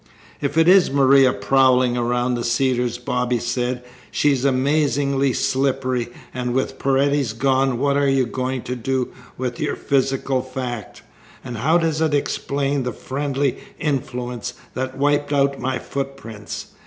"If it is Maria prowling around the Cedars," Bobby said, "she's amazingly slippery, and with Paredes gone what are you going to do with your physical fact? And how does it explain the friendly influence that wiped out my footprints?